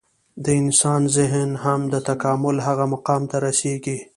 د انسان ذهن هم د تکامل هغه مقام ته رسېږي.